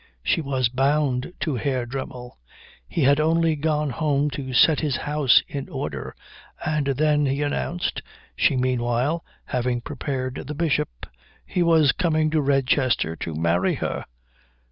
She was bound to Herr Dremmel. He had only gone home to set his house in order, and then, he announced, she meanwhile having prepared the Bishop, he was coming to Redchester to marry her.